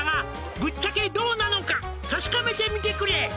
「ぶっちゃけどうなのか確かめてみてくれ」